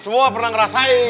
semua pernah ngerasain